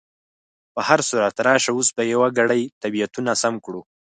په هر صورت، راشه اوس به یو ګړی طبیعتونه سم کړو.